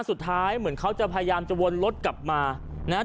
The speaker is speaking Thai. สุดท้ายเหมือนเขาจะพยายามจะวนรถกลับมานะฮะ